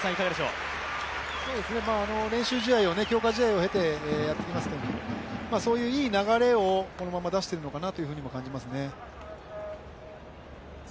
練習試合を、強化試合を経てやってきましたけれども、そういういい流れをこのまま出しているのかなとも感じますね。